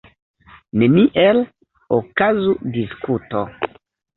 Neniel okazu diskuto.